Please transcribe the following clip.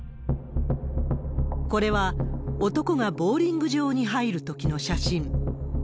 これは男がボウリング場に入るときの写真。